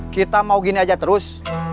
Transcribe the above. kita mau gini aja terus